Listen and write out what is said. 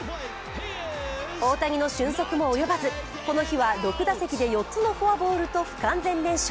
大谷の俊足も及ばず、この日は６打席で４つのフォアボールと不完全燃焼。